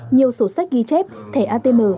nhiều sổ sách ghi chép thẻ atm